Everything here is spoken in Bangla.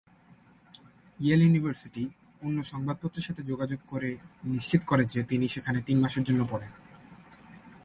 ইয়েল ইউনিভার্সিটি, অন্য সংবাদপত্রের সাথে যোগাযোগ করে, নিশ্চিত করে যে তিনি সেখানে তিন মাসের জন্য পড়েন।